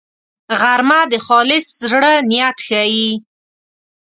غرمه د خالص زړه نیت ښيي